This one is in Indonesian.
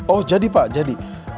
oh jadi pak jadi